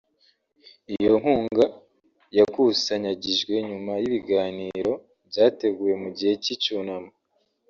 Iyo nkunga yakusanyagijwe nyuma y’ibiganiro byateguwe mu gihe cy’icyunamo